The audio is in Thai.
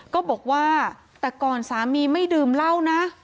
ก็บอกว่าแต่ก่อนสามีไม่ดื่มเหล้านะ